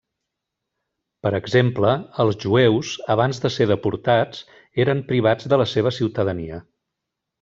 Per exemple, els jueus, abans de ser deportats, eren privats de la seva ciutadania.